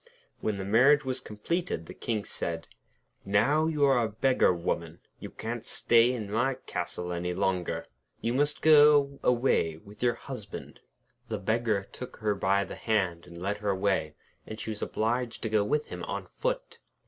When the marriage was completed, the King said: 'Now you are a beggar woman, you can't stay in my castle any longer. You must go away with your Husband.' The Beggar took her by the hand and led her away, and she was obliged to go with him on foot.